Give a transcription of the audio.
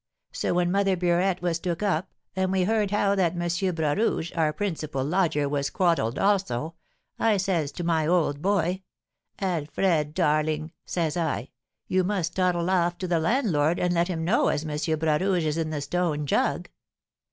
So when Mother Burette was took up, and we heard how that M. Bras Rouge, our principal lodger, was quodded also, I says to my old boy, 'Alfred, darling,' says I, 'you must toddle off to the landlord and let him know as M. Bras Rouge is in the stone jug.'